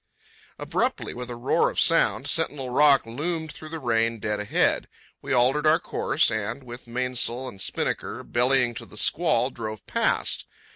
Abruptly, with a roar of sound, Sentinel Rock loomed through the rain dead ahead. We altered our course, and, with mainsail and spinnaker bellying to the squall, drove past.